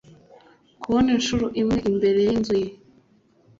Kubona inshuro imwe imbere yinzu ye